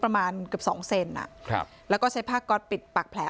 ประมาณเกือบสองเซนอ่ะครับแล้วก็ใช้ผ้าก๊อตปิดปากแผล